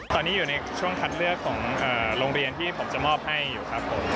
ตอนนี้อยู่ในช่วงคัดเลือกของโรงเรียนที่ผมจะมอบให้อยู่ครับผม